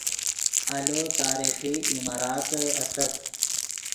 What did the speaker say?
آلو تاریخی عماراتے استت